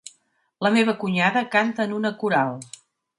La meva cunyada canta en una coral.